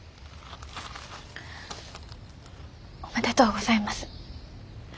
おめでとうございます。